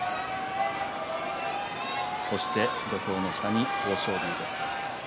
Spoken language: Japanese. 土俵の下に豊昇龍です。